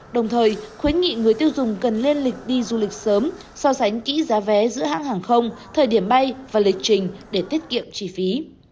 đồng thời khuyến nghị người tiêu dùng cần lên lịch đi du lịch sớm so sánh kỹ giá vé giữa hãng hàng không thời điểm bay và lịch trình để tiết kiệm chi phí